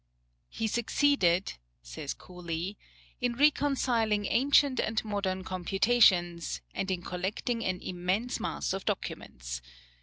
"He succeeded," says Cooley, "in reconciling ancient and modern computations, and in collecting an immense mass of documents.